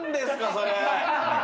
それ。